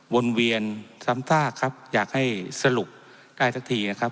วนเวียนซ้ำซากครับอยากให้สรุปได้สักทีนะครับ